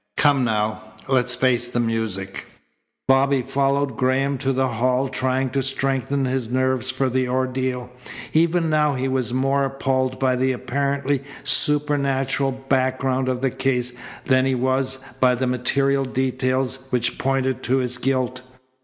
Come, now. Let's face the music." Bobby followed Graham to the hall, trying to strengthen his nerves for the ordeal. Even now he was more appalled by the apparently supernatural background of the case than he was by the material details which pointed to his guilt.